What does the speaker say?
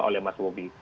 oleh mas bobi